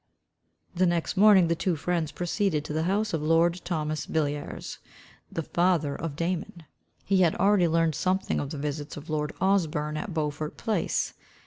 The next morning the two friends proceeded to the house of lord Thomas Villiers, the father of Damon. He had already learned something of the visits of lord Osborne at Beaufort Place.